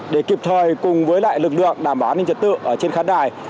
để kịp thời cùng với lại lực lượng đảm bảo an ninh trật tự trên khán đài